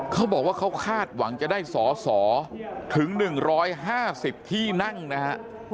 เขาบอกว่าเขาคาดหวังจะได้สอสอถึง๑๕๐ที่นั่งนะฮะ